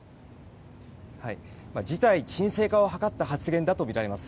事態の鎮静化を図った発言だとみられます。